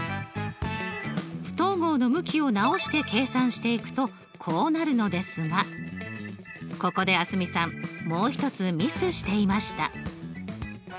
不等号の向きを直して計算していくとこうなるのですがここで蒼澄さんもう一つミスしていました。